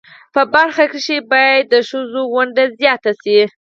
په برخه کښی باید د خځو ونډه ځیاته شی